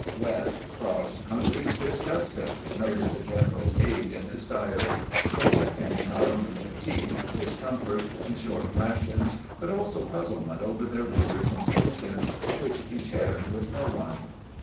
"Wet, cross, hungry, disgusted," noted the general's aide in his diary, reflecting not only fatigue, discomfort, and short rations but also puzzlement over their leader's intentions, which he shared with no one.